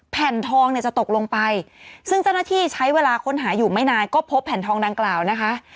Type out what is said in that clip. แผ่นทองเนี่ยจะตกลงไปซึ่งเจ้าหน้าที่ใช้เวลาค้นหาอยู่ไม่นานก็พบแผ่นทองดังกล่าวนะคะ